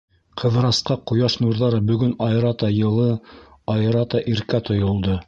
Ҡыҙырасҡа ҡояш нурҙары бөгөн айырата йылы, айырата иркә тойолдо.